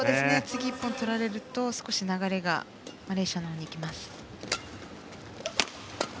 次、１本取られると少し流れがマレーシアのほうに行きます。